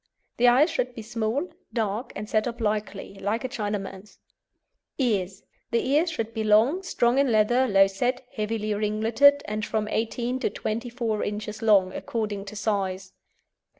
EYES The eyes should be small, dark, and set obliquely, like a Chinaman's. EARS The ears should be long, strong in leather, low set, heavily ringleted, and from 18 to 24 inches long, according to size.